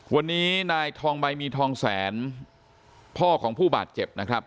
วันนี้นายทองใบมีทองแสนพ่อของผู้บาดเจ็บนะครับ